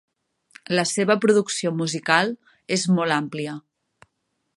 La seva producció musical és molt àmplia.